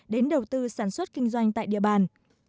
đầu tư sản xuất kinh doanh tại địa bàn